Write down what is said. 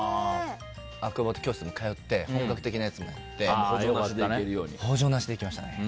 アクロバット教室も通って本格的なやつもやって補助なしでいきましたね。